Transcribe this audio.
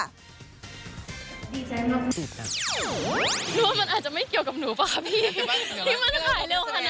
รู้ว่ามันอาจจะไม่เกี่ยวกับหนูป่ะค่ะพี่ที่มันขายเร็วขนาดนั้นน่ะ